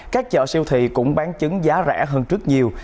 các chợ siêu thị cũng bán trứng giá rẻ hơn trước nhiều